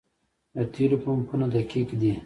د تیلو پمپونه دقیق دي؟